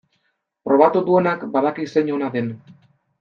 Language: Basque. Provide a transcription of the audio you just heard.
Probatu duenak badaki zein ona den.